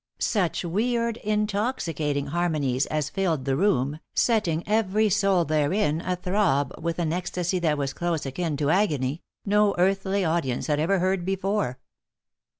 Such weird, intoxicating harmonies as filled the room, setting every soul therein athrob with an ecstasy that was close akin to agony, no earthly audience had ever heard before.